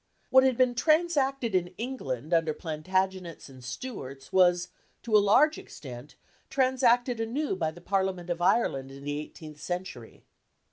What had been transacted in England under Plantagenets and Stuarts was, to a large extent, transacted anew by the Parliament of Ireland in the eighteenth century.